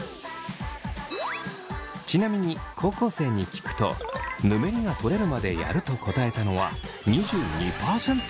ちなみに高校生に聞くとぬめりがとれるまでやると答えたのは２２％。